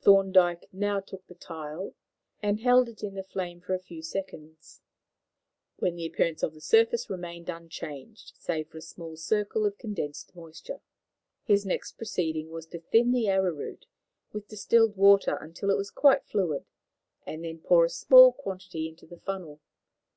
Thorndyke now took the tile, and held it in the flame for a few seconds, when the appearance of the surface remained unchanged save for a small circle of condensed moisture. His next proceeding was to thin the arrowroot with distilled water until it was quite fluid, and then pour a small quantity into the funnel.